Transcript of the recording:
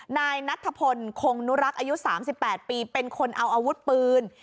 นายนัทธพลคงนุรักษ์อายุ๓๘ปีเป็นคนเอาอาวุธปืน